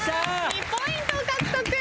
２ポイント獲得。